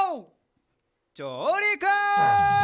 じょうりく！